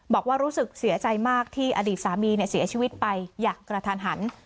บอกว่ารู้สึกเสียใจมากที่อดีตสามีเสียชีวิตไปอย่างกระทันหัน